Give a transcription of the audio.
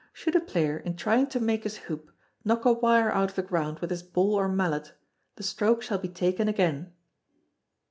Should a player, in trying to make his hoop, knock a wire out of the ground with his ball or mallet, the stroke shall be taken again.